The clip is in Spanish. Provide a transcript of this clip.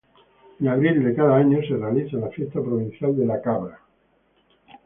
En abril de cada año, se realiza la Fiesta Provincial de la Cabra.